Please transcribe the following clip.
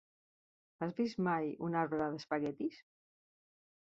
Has vist mai un arbre d'espaguetis?